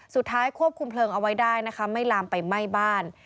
สุดท้ายควบคุมเพลิงเอาไว้ได้นะคะไม่ลามไปไหม้บ้าน